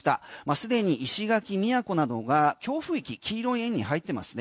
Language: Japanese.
既に石垣、宮古などが強風域、黄色い円に入ってます。